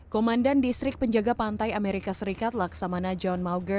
komandan distrik penjaga pantai amerika serikat laksamana john mauger